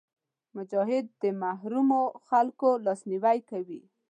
مجاهد د محرومو خلکو لاسنیوی کوي.